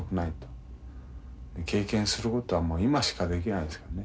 経験することは今しかできないですよね。